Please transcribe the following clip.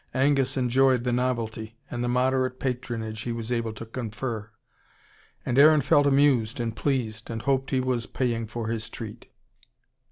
Angus enjoyed the novelty, and the moderate patronage he was able to confer. And Aaron felt amused and pleased, and hoped he was paying for his treat.